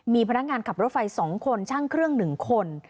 มีพนักงานขับรถไฟ๒คนช่างเครื่อง๑คน